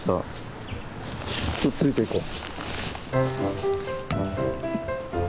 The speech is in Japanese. ちょっとついていこう。